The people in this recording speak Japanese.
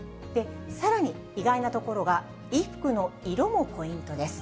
さらに意外なところが衣服の色もポイントです。